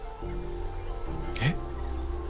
えっ？